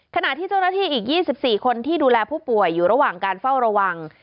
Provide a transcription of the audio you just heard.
ขณะที่เจ้าหน้าที่อีก๒๔คนที่ดูแลผู้ป่วยอยู่ระหว่างการเฝ้าระวัง